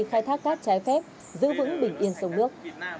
khai thác cát trái phép giữ vững bình yên sông nước